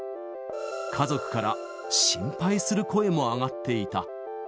家族から心配する声も上がっていた。